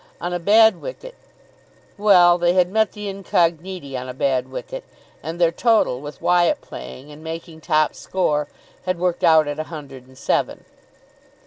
On a bad wicket well, they had met the Incogniti on a bad wicket, and their total with Wyatt playing and making top score had worked out at a hundred and seven.